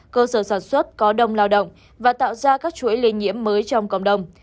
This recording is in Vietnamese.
cơ sở sản xuất có đông lao động và tạo ra các chuỗi lây nhiễm mới trong cộng đồng